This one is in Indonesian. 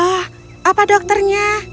oh apa dokternya